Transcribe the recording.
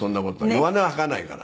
弱音は吐かないから。